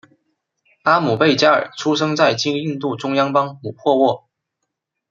阿姆倍伽尔出生在今印度中央邦姆霍沃。